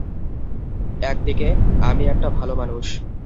একদিকে, আমি একটা ভালো মানুষ।